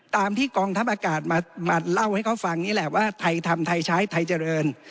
ตามที่กองทัพอากาศมาเล่าให้เขาฟังนี่แหละว่าไทยทำไทยใช้ไทยเจริญ